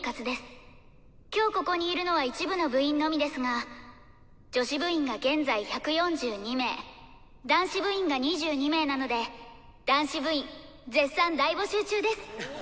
今日ここにいるのは一部の部員のみですが女子部員が現在１４２名男子部員が２２名なので男子部員絶賛大募集中です！